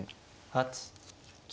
８９。